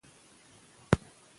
هغه مخکې ښار ته تللی و.